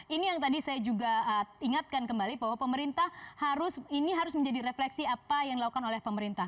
ini yang tadi saya juga ingatkan kembali bahwa pemerintah harus ini harus menjadi refleksi apa yang dilakukan oleh pemerintah